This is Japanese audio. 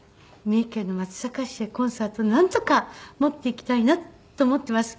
三重県の松阪市でコンサートをなんとか持っていきたいなと思っています